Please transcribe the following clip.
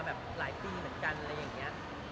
แบบหลายปีเหมือนกันอะไรอย่างนี้